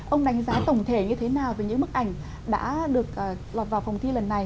ông đánh giá tổng thể như thế nào về những bức ảnh đã được lọt vào vòng thi lần này